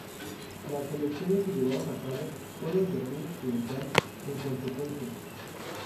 Las elecciones se llevaron a cabo sólo en Berlín occidental en consecuencia.